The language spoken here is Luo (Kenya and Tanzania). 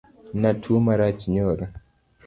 Natuo marach nyoro.